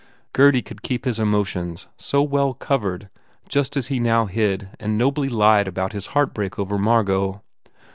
Gurdy could keep his emotions so well covered just as he now hid and nobly lied about his heartbreak over Margot.